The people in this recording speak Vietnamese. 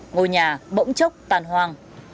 ngôi nhà bỗng chốc tàn hoàng